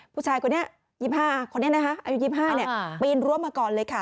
ผู้ชายคนนี้๒๕คนนี้นะคะอายุ๒๕ปีนรั้วมาก่อนเลยค่ะ